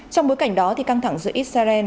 trong bối cảnh đó căng thẳng giữa israel và israel